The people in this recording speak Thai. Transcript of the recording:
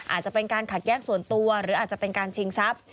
อาจจะเป็นการขัดแย้งส่วนตัวหรืออาจจะเป็นการชิงทรัพย์